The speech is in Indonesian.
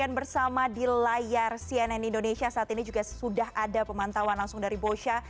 dan bersama di layar cnn indonesia saat ini juga sudah ada pemantauan langsung dari bosha